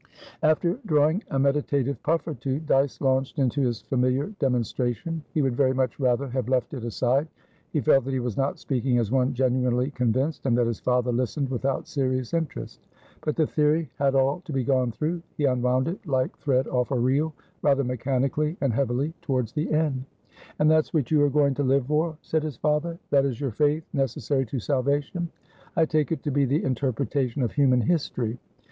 After drawing a meditative puff or two, Dyce launched into his familiar demonstration. He would very much rather have left it aside; he felt that he was not speaking as one genuinely convinced, and that his father listened without serious interest. But the theory had all to be gone through; he unwound it, like thread off a reel, rather mechanically and heavily towards the end. "And that's what you are going to live for?" said his father. "That is your faith necessary to salvation?" "I take it to be the interpretation of human history."